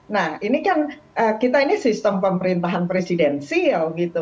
nah ini kan kita ini sistem pemerintahan presidensil gitu